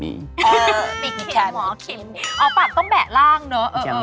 ที่นู่น